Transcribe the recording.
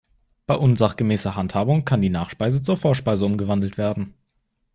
Bei unsachgemäßer Handhabung kann die Nachspeise zur Vorspeise umgewandelt werden.